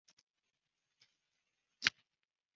卡尔滕韦斯泰姆是德国图林根州的一个市镇。